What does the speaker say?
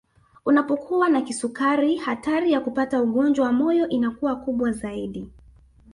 Unapokuwa na kisukari hatari ya kupata ugonjwa wa moyo inakuwa kubwa zaidi